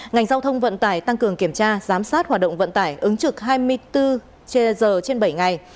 ngành giao thông vận tải tăng cường kiểm tra giám sát hoạt động vận tải ứng trực hai mươi bốn trên giờ trên bảy ngày